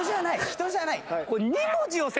人じゃない。